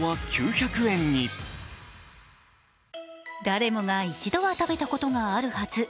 誰もが一度は食べたことがあるはず。